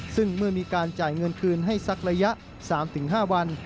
ซึ่งเมื่อมีการจ่ายเงินคืนให้สักระยะ๓๕วัน